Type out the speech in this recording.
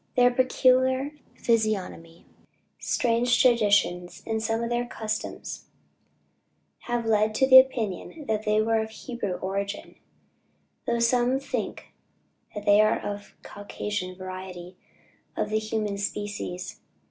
Their peculiar physiognomy, strange traditions, and some of their customs have led to the opinion that they were of Hebrew origin, though some think they are of the Caucasian variety of the human species.